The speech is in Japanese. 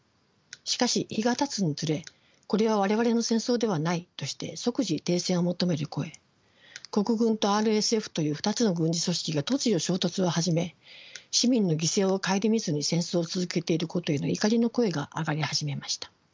しかし日がたつにつれ「これは我々の戦争ではない」として即時停戦を求める声国軍とＲＳＦという２つの軍事組織が突如衝突を始め市民の犠牲を顧みずに戦争を続けていることへの怒りの声が上がり始めました。